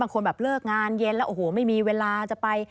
บางคนเลิกงานเย็นแล้วไม่มีเวลาจะไป